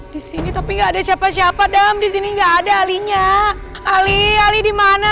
disini tapi nggak ada siapa siapa dalam disini enggak ada alinya ali ali dimana